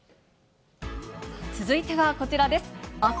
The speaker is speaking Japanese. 続いてはこちらです。